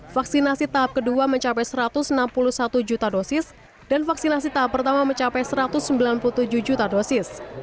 vaksinasi tahap kedua mencapai satu ratus enam puluh satu juta dosis dan vaksinasi tahap pertama mencapai satu ratus sembilan puluh tujuh juta dosis